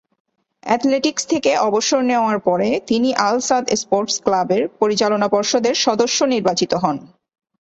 Athletics থেকে অবসর নেওয়ার পরে, তিনি আল সাদ স্পোর্টস ক্লাবের পরিচালনা পর্ষদের সদস্য নির্বাচিত হন।